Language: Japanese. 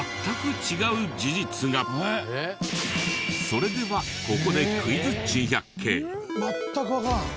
それではここで全くわからん！